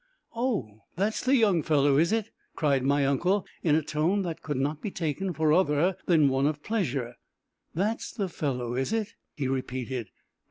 "Oh, that's the young fellow, is it!" cried my uncle, in a tone that could not be taken for other than one of pleasure. "That's the fellow, is it?" he repeated.